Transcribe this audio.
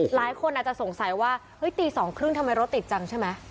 หลายคนอาจจะสงสัยว่าเฮ้ยตี๒๓๐ทำไมรถติดจังใช่ไหม